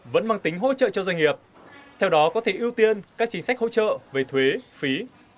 vẫn mang tính hỗ trợ cho doanh nghiệp theo đó có thể ưu tiên các chính sách hỗ trợ về thuế phí